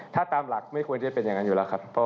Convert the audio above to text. ถ้าตามหลักไม่ควรจะเป็นอย่างนั้น